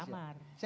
kalau di kamar